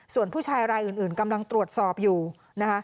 ส่วนผู้ชายรายอื่นกำลังตรวจสอบอยู่นะคะ